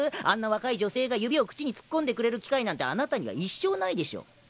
あんな若い女性が指を口に突っ込んでくれる機会なんてあなたには一生ないでしょう。